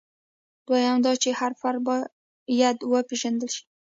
دویم دا چې هر فرد باید وپېژندل شي.